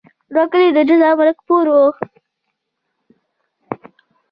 دوه کلي د جوزه او ملک پور وو.